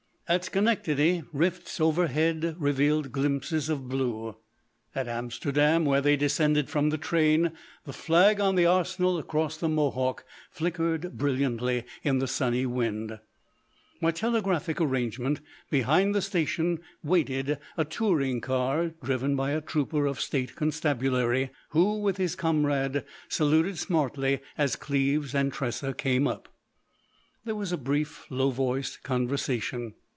At Schenectady, rifts overhead revealed glimpses of blue. At Amsterdam, where they descended from the train, the flag on the arsenal across the Mohawk flickered brilliantly in the sunny wind. By telegraphic arrangement, behind the station waited a touring car driven by a trooper of State Constabulary, who, with his comrade, saluted smartly as Cleves and Tressa came up. There was a brief, low voiced conversation.